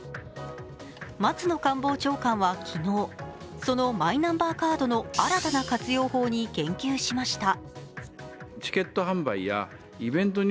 松野官房長官は昨日そのマイナンバーカードの新たな活用法に言及しました。